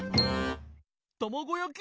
たまごやき。